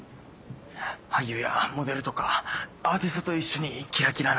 俳優やモデルとかアーティストと一緒にキラキラな。